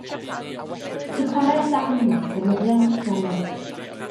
I chwarae'r darn yma defnyddiais y piano